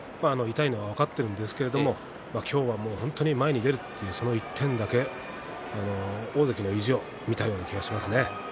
痛いのは分かっていますけど今日は前に出る、その一点だけ大関の意地を見たような気がしました。